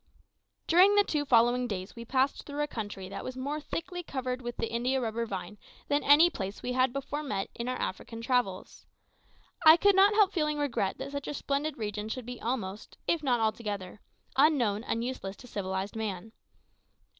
During the two following days we passed through a country that was more thickly covered with the indiarubber vine than any place we had before met with in our African travels. I could not help feeling regret that such a splendid region should be almost, if not altogether, unknown and useless to civilised man.